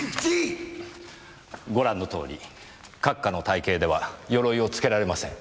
ご覧のとおり閣下の体形では鎧をつけられません。